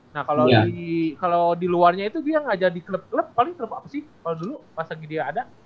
nah kalau di luarnya itu dia ngajar di klub klub paling klub apa sih kalau dulu pas lagi dia ada